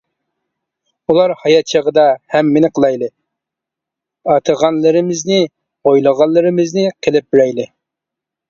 ئۇلار ھايات چېغىدا ھەممىنى قىلايلى، ئاتىغانلىرىمىزنى، ئويلىغانلىرىمىزنى قىلىپ بېرەيلى.